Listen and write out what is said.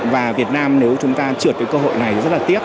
và việt nam nếu chúng ta trượt cái cơ hội này rất là tiếc